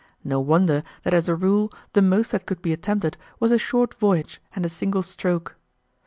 No wonder that as a rule the most that could be attempted was a short voyage and a single stroke.